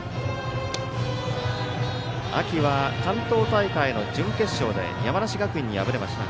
秋は関東大会の準決勝で山梨学院に敗れました。